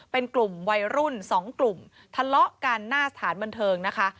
เป็นกลุ่มวัยรุ่นสองกลุ่มทะเลาะกันหน้าสถานบันเทิงนะคะ